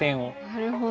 なるほど。